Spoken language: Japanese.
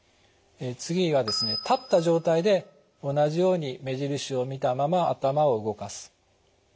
次がですね立った状態で同じように目印を見たまま頭を動かす。